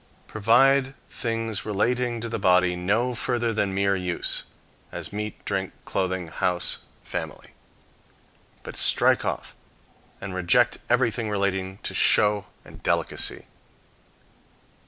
Provide things relating to the body no further than mere use; as meat, drink, clothing, house, family. But strike off and reject everything relating to show and delicacy.